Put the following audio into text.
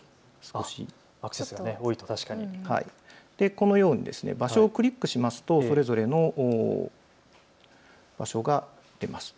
このように場所をクリックしますとそれぞれの場所が出ます。